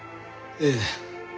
ええ。